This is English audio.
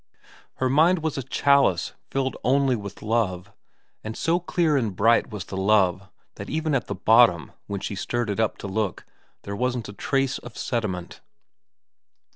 Her mind was a chalice filled only with love, and so clear and bright was the love that even at the bottom, when she stirred it up to look, there wasn't a trace of sediment.